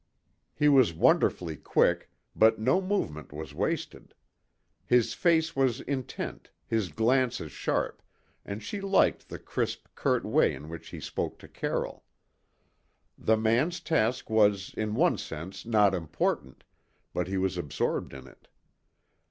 He was wonderfully quick, but no movement was wasted. His face was intent, his glances sharp, and she liked the crisp, curt way in which he spoke to Carroll. The man's task was, in one sense, not important, but he was absorbed in it.